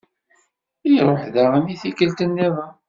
Iṛuḥ daɣen i tikkelt-nniḍen.